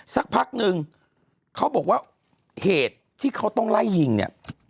สักพักนึงเขาบอกว่าเหตุที่เขาต้องไล่ยิงเนี่ย